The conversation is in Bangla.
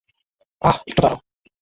আহ, একটু দাঁড়াও।